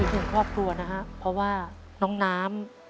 ถึงครอบครัวนะครับเพราะว่าน้องน้ำ